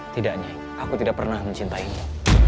tidak nyai aku tidak pernah mencintaimu